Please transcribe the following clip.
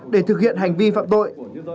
để thực hiện hành vi phạm tội